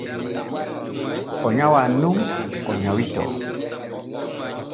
O nyawan nun o nyawitoo.